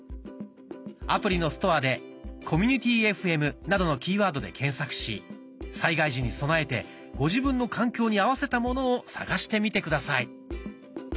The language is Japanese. アプリのストアで「コミュニティＦＭ」などのキーワードで検索し災害時に備えてご自分の環境に合わせたものを探してみて下さい。